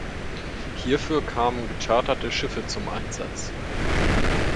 Hierfür kamen gecharterte Schiffe zum Einsatz.